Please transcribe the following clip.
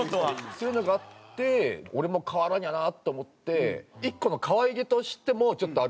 そういうのがあって俺も変わらにゃなと思って１個の可愛げとしてもちょっとあるんですよ